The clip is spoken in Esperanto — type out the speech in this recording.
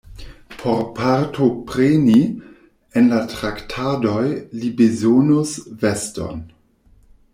Por partopreni en la traktadoj, li bezonus veston.